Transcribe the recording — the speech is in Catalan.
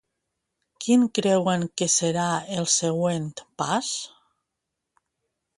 Quin creuen que serà el següent pas?